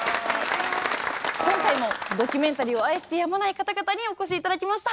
今回もドキュメンタリーを愛してやまない方々にお越し頂きました。